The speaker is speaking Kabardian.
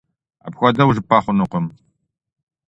Апхуэдэу жыпӀэ хъунукъым.